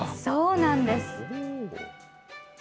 そうなんです。